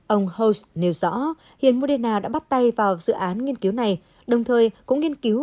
ông house nêu rõ hiện moderna đã bắt tay vào dự án nghiên cứu này đồng thời cũng nghiên cứu